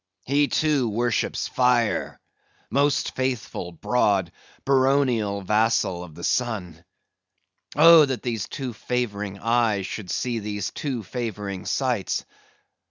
He too worships fire; most faithful, broad, baronial vassal of the sun!—Oh that these too favouring eyes should see these too favouring sights.